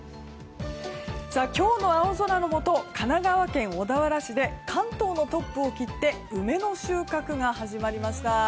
今日の青空のもと神奈川県小田原市で関東のトップを切って梅の収穫が始まりました。